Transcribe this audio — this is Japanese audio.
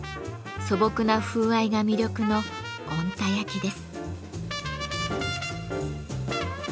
素朴な風合いが魅力の小鹿田焼です。